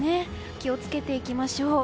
気を付けていきましょう。